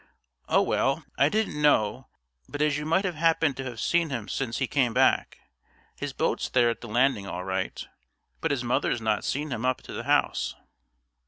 "Oh, well, I didn't know but as you might have happened to have seen him since he came back. His boat's there at the landing all right, but his mother's not seen him up to the house."